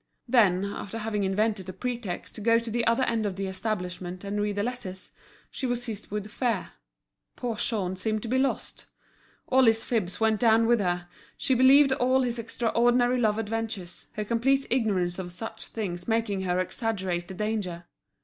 Then after having invented a pretext to go to the other end of the establishment and read the letters, she was seized with fear; poor Jean seemed to be lost. All his fibs went down with her, she believed all his extraordinary love adventures, her complete ignorance of such things making her exaggerate the danger.